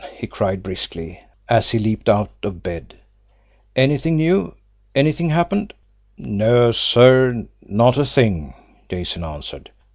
he cried briskly, as he leaped out of bed. "Anything new anything happened?" "No, sir; not a thing," Jason answered.